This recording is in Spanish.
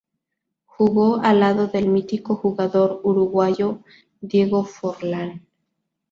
Jugó al lado del mítico jugador uruguayo Diego Forlán.